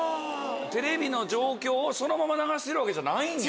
テレビの状況をそのまま流してるわけじゃないんや？